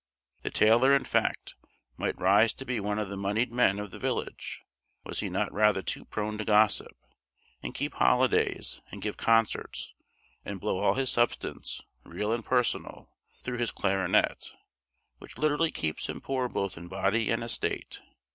The tailor, in fact, might rise to be one of the monied men of the village, was he not rather too prone to gossip, and keep holidays, and give concerts, and blow all his substance, real and personal, through his clarionet, which literally keeps him poor both in body and estate.